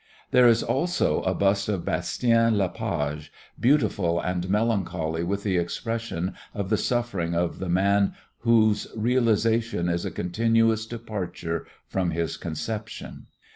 There is also a bust of Bastien Lepage, beautiful and melancholy with the expression of the suffering of the man whose realization is a continuous departure from his conception.